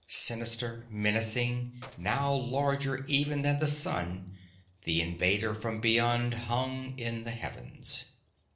Sinister, menacing, now larger even than the sun, the invader from beyond hung in the heavens.